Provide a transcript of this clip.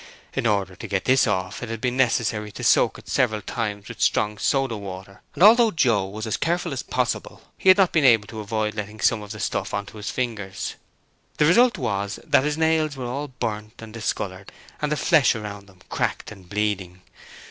In order to get this off it had been necessary to soak it several times with strong soda water, and although Joe was as careful as possible he had not been able to avoid getting some of this stuff on his fingers. The result was that his nails were all burnt and discoloured and the flesh round them cracked and bleeding.